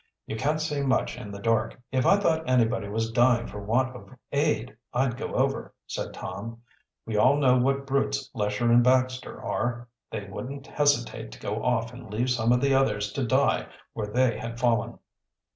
You can't see much in the dark." "If I thought anybody was dying for the want of aid, I'd go over," said Tom. "We all know what brutes Lesher and Baxter are. They wouldn't hesitate to go off and leave some of the others to die where they had fallen."